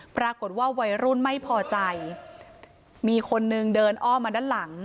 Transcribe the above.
วัยรุ่นไม่พอใจมีคนนึงเดินอ้อมาด้านหลัง